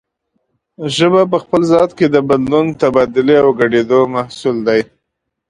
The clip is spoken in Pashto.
ژبه په خپل ذات کې د بدلون، تبادلې او ګډېدو محصول دی